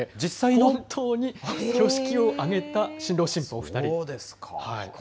本当に挙式を挙げた新郎新婦お２人。